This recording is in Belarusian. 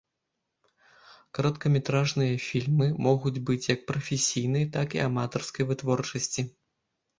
Кароткаметражныя фільмы могуць быць як прафесійнай, так і аматарскай вытворчасці.